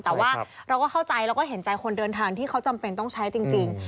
แต่ว่าเราก็เข้าใจแล้วก็เห็นใจคนเดินทางที่เขาจำเป็นต้องใช้จริง